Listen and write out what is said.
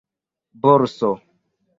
borso